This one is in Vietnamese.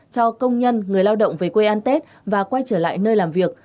cho công nhân người lao động về quê ăn tết và quay trở lại nơi làm việc